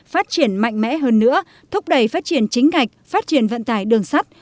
phát triển mạnh mẽ hơn nữa thúc đẩy phát triển chính ngạch phát triển vận tải đường sắt